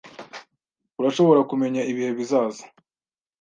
Urashobora kumenya ibihe bizaza